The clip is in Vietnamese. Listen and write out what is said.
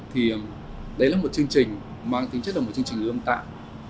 thì đấy là một chương trình mang tính chất là một chương trình ươm tạo